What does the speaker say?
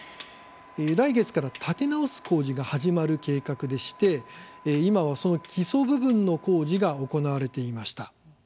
来月から建て直す工事が始まる計画でして今は、その基礎部分の工事が行われていました。